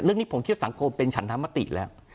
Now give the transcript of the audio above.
เรื่องนี้ผมคิดว่าสังคมเป็นฉันธรรมติแล้ว